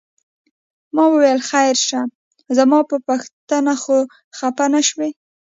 ما وویل خیر شه زما په پوښتنه خو خپه نه شوې؟